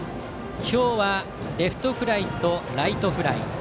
今日はレフトフライとライトフライ。